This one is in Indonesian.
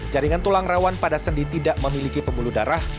jaringan tulang rawan pada sendi tidak memiliki pembuluh darah